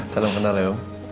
salam kenal ya om